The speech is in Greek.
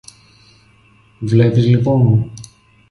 Βλέπεις λοιπόν;